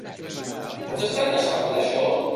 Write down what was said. Pots estar-ne segur d'això?